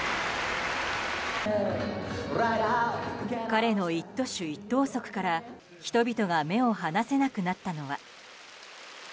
彼の一挙手一投足から人々が目を離せなくなったのは。